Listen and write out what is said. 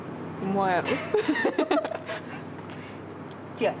違う。